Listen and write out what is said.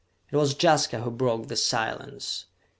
It was Jaska who broke the silence.